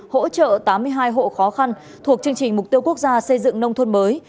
hỗ trợ tám mươi hai hộ khó khăn thuộc chương trình mục tiêu quốc gia xây dựng nông thôn mới